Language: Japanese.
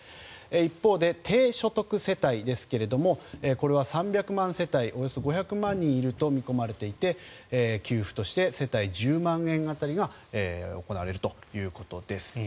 一方で、低所得世帯ですがこれは３００万世帯およそ５００万人いると見込まれていて給付として世帯７万円が行われるということです。